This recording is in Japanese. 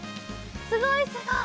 すごいすごい！